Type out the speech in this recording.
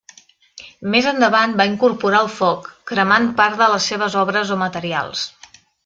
Més endavant va incorporar el foc, cremant part de les seves obres o materials.